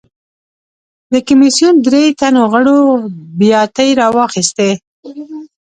د کمېسیون درې تنو غړو بیاتۍ راواخیستې.